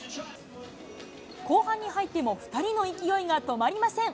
後半に入っても、２人の勢いが止まりません。